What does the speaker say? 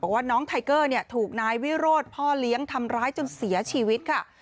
ว่าน้องไทเกอร์ถูกนายวิโรธพ่อเลี้ยงทำร้ายจนเสียชีวิตค่ะ